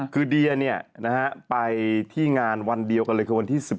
คือเดียไปที่งานวันเดียวกันเลยคือวันที่๑๑